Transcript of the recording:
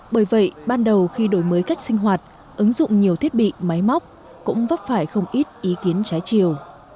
bởi vậy ban đầu khi đổi mới cách sinh hoạt ứng dụng nhiều thiết bị máy móc cũng vấp phải không ít ý kiến trái chiều